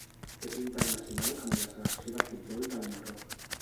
És internacional amb la selecció de futbol del Marroc.